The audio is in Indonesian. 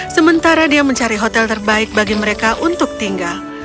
sementara dia mencari hotel terbaik bagi mereka untuk tinggal